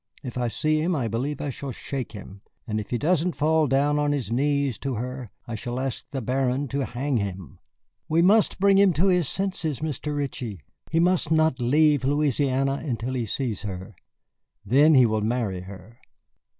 If I see him, I believe I shall shake him. And if he doesn't fall down on his knees to her, I shall ask the Baron to hang him. We must bring him to his senses, Mr. Ritchie. He must not leave Louisiana until he sees her. Then he will marry her."